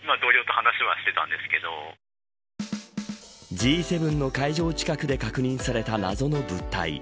Ｇ７の会場近くで確認された謎の物体。